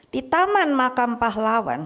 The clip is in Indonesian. di taman makam pahlawan